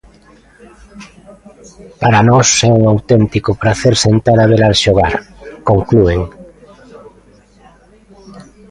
Para nós é un auténtico pracer sentar a velas xogar, conclúen.